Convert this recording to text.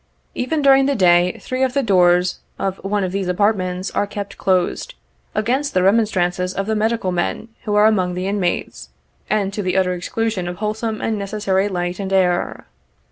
Even during the day, three of the doors of one of these apartments are kept closed, against the remonstrances of the medical men who are among the inmates, and to the utter exclusion of wholesome and necessary light and air.